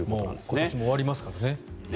今年も終わりますからね。